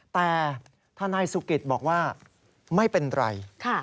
แต่ทนายสุกิตบอกว่าไม่เป็นไร